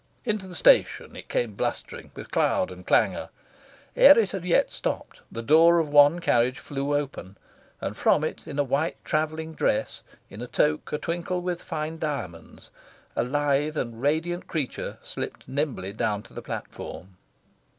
Into the station it came blustering, with cloud and clangour. Ere it had yet stopped, the door of one carriage flew open, and from it, in a white travelling dress, in a toque a twinkle with fine diamonds, a lithe and radiant creature slipped nimbly down to the platform.